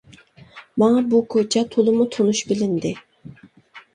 ماڭا بۇ كوچا تولىمۇ تونۇش بىلىندى.